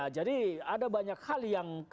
jadi ada banyak hal yang